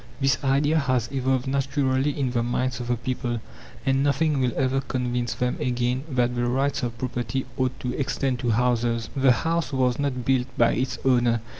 This idea has evolved naturally in the minds of the people, and nothing will ever convince them again that the "rights of property" ought to extend to houses. The house was not built by its owner.